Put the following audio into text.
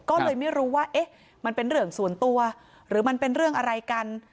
ก็เลยไม่รู้ว่าเอ๊ะมันเป็นเรื่องส่วนตัวหรือมันเป็นเรื่องอะไรกัน